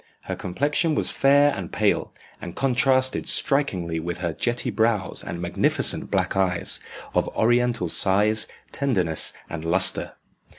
Her complexion was fair and pale, and contrasted strikingly with her jetty brows and magnificent black eyes, of oriental size, tenderness, and lustre.